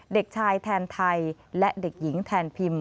เด็กชายแทนไทยและเด็กหญิงแทนพิม